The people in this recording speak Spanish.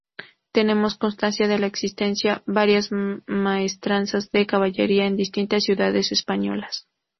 Tenemos constancia de la existencia varias maestranzas de caballería en distintas ciudades españolas.